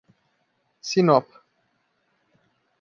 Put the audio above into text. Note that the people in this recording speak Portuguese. Sinop